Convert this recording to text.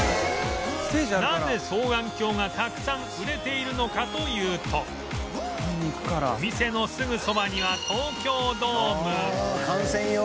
なぜ双眼鏡がたくさん売れているのかというとお店のすぐそばには東京ドームああ観戦用？